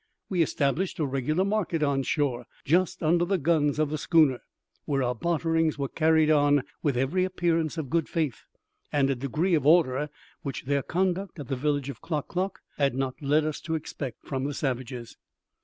We established a regular market on shore, just under the guns of the schooner, where our barterings were carried on with every appearance of good faith, and a degree of order which their conduct at the village of Klock klock had not led us to expect from the savages.